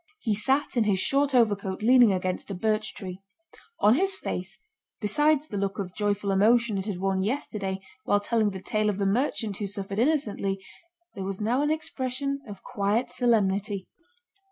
He sat in his short overcoat leaning against a birch tree. On his face, besides the look of joyful emotion it had worn yesterday while telling the tale of the merchant who suffered innocently, there was now an expression of quiet solemnity.